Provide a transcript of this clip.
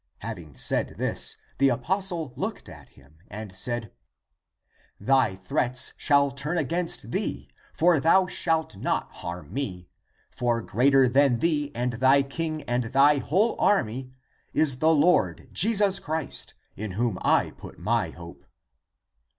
Having said this, the apostle looked at him and said, " Thy threats shall turn against thee, for thou shalt not harm me. For greater than thee and thy king and thy whole army is the Lord Jesus Christ, in whom I put my hope."